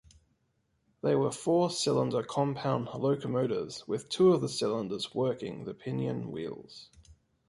They were four-cylinder compound locomotives with two of the cylinders working the pinion wheels.